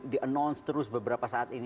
di announce terus beberapa saat ini